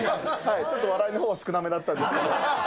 ちょっと笑いのほうは少なめだったんですけど。